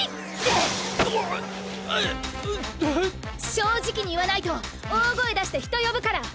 正直に言わないと大声出して人呼ぶから。